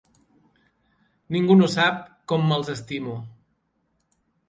Ningú no sap com me'ls estimo.